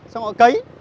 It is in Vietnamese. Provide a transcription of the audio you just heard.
xong họ cấy